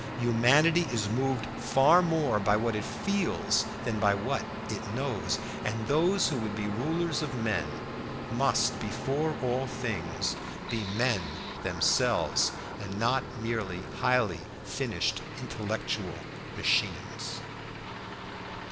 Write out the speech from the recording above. Humanity is moved far more by what it feels than by what it knows, and those who would be rulers of men must before all things be men themselves, and not merely highly finished intellectual machines.